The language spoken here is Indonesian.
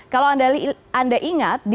kalau anda ingat